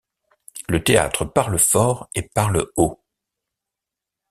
Le théâtre parle fort et parle haut.